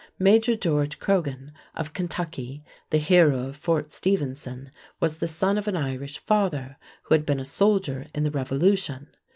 Major George Croghan of Kentucky, the hero of Fort Stephenson, was the son of an Irish father who had been a soldier in the Revolution.